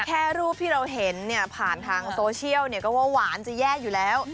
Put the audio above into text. แค่รูปที่เราเห็นเนี่ยผ่านทางโซเชียลเนี่ยก็ว่าหวานจะแย่อยู่แล้ว